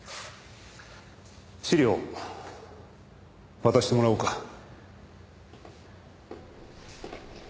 資料渡してもらおうか。